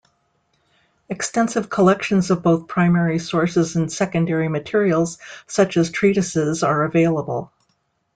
Extensive collections of both primary sources and secondary materials such as treatises are available.